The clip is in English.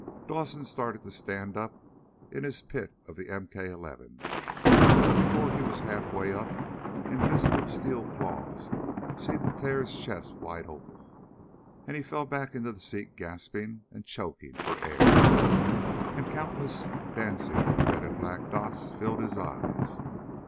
Dawson started to stand up in his pit of the MK 11, but before he was half way up invisible steel claws seemed to tear his chest wide open, and he fell back into the seat gasping and choking for air. And countless dancing red and black dots filled his eyes.